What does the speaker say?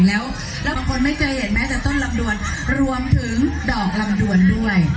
แล้วคนไม่เคยเห็นแม้แต่ต้นลำดวนรวมถึงดอกลำดวนด้วย